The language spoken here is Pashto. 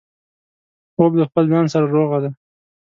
خوب د خپل ځان سره روغه ده